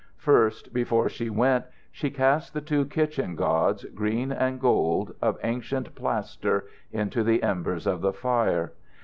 First, before she went, she cast the two kitchen gods, green and gold, of ancient plaster, into the embers of the fire.